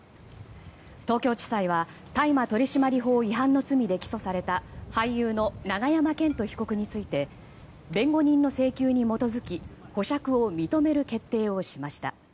東京地裁は大麻取締法違反の罪で起訴された俳優の永山絢斗被告について弁護人の請求に基づき保釈を認める決定をしました。